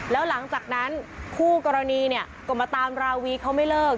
แล้วหลังจากนั้นคู่กรณีเนี่ยก็มาตามราวีเขาไม่เลิก